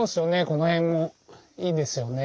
この辺もいいですよね。